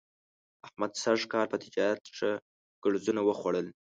احمد سږ کال په تجارت ښه ګړزونه وخوړل.